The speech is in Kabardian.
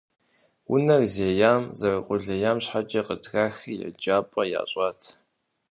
Унэр зеям, зэрыкъулейм щхьэкӏэ, къытрахри еджапӏэ ящӏат.